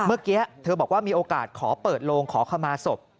เมื่อกี้เธอบอกว่ามีโอกาสขอเปิดโลงขอขมาศพ